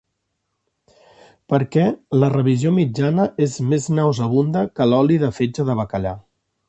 Per què, la revisió mitjana és més nauseabunda que l'oli de fetge de bacallà.